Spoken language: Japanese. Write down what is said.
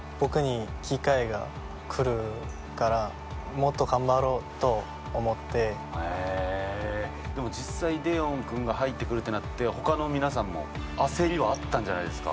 もともとへぇでも実際デヨン君が入ってくるってなって他の皆さんも焦りはあったんじゃないですか？